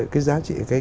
cái giá trị này